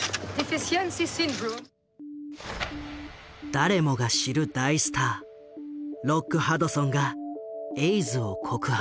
誰もが知る大スターロック・ハドソンがエイズを告白。